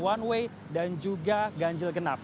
one way dan juga ganjil genap